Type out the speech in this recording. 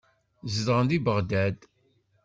Zedɣen deg Beɣdad.